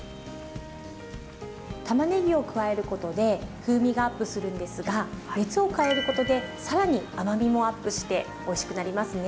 たまねぎを加えることで風味がアップするんですが熱を加えることで更に甘みもアップしておいしくなりますね。